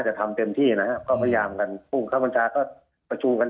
จะทำเต็มที่นะครับก็พยายามกันพุ่งข้าวบรรชาก็ประชูกัน